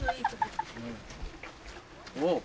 おっ！